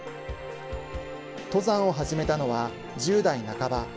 登山を始めたのは１０代半ば。